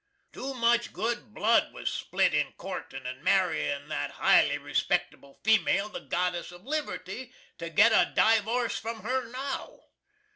Toe much good blud was spilt in courtin and marryin that hily respectable female the Goddess of Liberty, to git a divorce from her now.